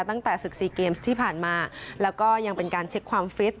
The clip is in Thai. ตั้งแต่ศึก๔เกมส์ที่ผ่านมาแล้วก็ยังเป็นการเช็คความฟิต